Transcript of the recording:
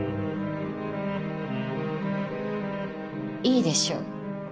いいでしょう。